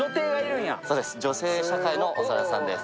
女性社会のお猿さんです。